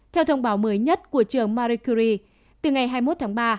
theo thông báo mới nhất của trường marie curie từ ngày hai mươi một tháng ba